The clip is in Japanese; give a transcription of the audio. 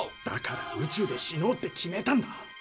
だから宇宙で死のうって決めたんだ。